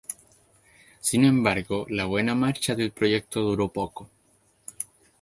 Sin embargo la buena marcha del proyecto duró poco.